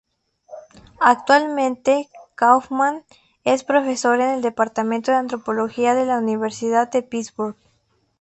Actualmente, Kaufman es profesor en el departamento de antropología de la Universidad de Pittsburgh.